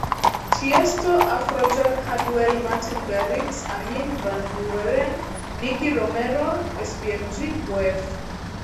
Tiësto Afrojack Hardwell Martin Garrix Armin van Buuren Nicky Romero Sbmg Boef